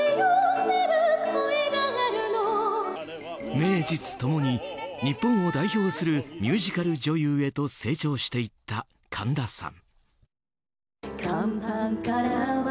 名実共に日本を代表するミュージカル女優へと成長していった神田さん。